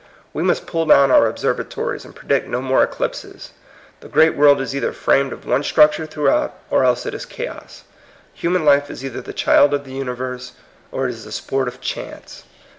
We must pull down our observatories, and predict no more eclipses. The great world is either framed of one structure throughout, or else it is chaos. Human life is either the child of the uni* verse, or it is the sport of chance.